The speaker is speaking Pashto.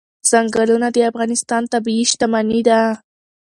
ځنګلونه د افغانستان طبعي شتمني ده.